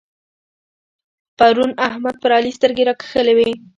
پرون احمد پر علي سترګې راکښلې وې.